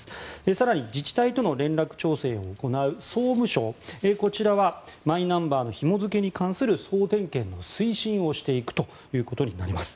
更に、自治体との連絡調整を行う総務省はマイナンバーのひも付けに関する総点検の推進をしていくことになります。